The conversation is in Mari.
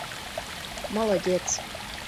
Молодец!»